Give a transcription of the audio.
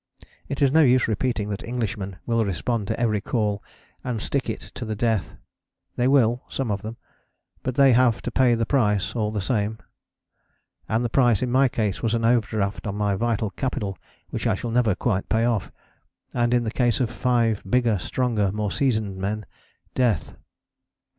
It is no use repeating that Englishmen will respond to every call and stick it to the death: they will (some of them); but they have to pay the price all the same; and the price in my case was an overdraft on my vital capital which I shall never quite pay off, and in the case of five bigger, stronger, more seasoned men, death.